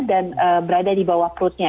dan berada di bawah perutnya